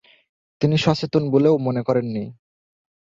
তিনি সচেতন বলেও মনে করেননি।